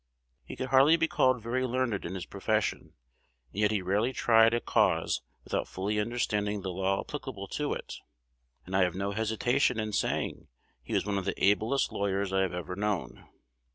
He could hardly be called very learned in his profession, and yet he rarely tried a cause without fully understanding the law applicable to it; and I have no hesitation in saying he was one of the ablest lawyers I have ever known.